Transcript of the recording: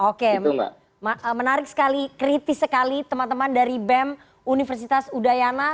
oke menarik sekali kritis sekali teman teman dari bem universitas udayana